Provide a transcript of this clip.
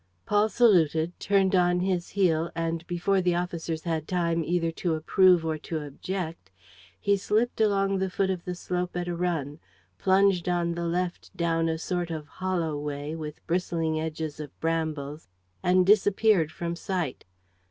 Paul saluted, turned on his heel and, before the officers had time either to approve or to object, he slipped along the foot of the slope at a run, plunged on the left down a sort of hollow way, with bristling edges of brambles, and disappeared from sight.